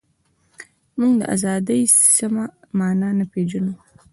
موږ د ازادۍ سمه مانا نه پېژنو.